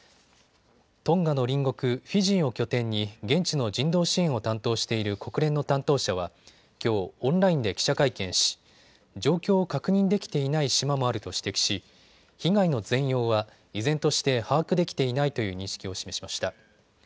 トンガの隣国、フィジーを拠点に現地の人道支援を担当している国連の担当者はきょうオンラインで記者会見し状況を確認できていない島もあると指摘し被害の全容は依然として把握できていないという認識を示しました。